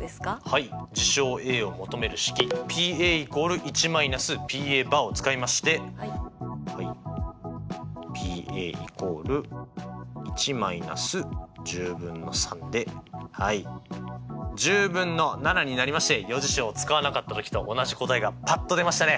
はい事象Ａを求める式Ｐ＝１−Ｐを使いましてＰ＝１−１０分の３ではい１０分の７になりまして余事象を使わなかったときと同じ答えがパッと出ましたね！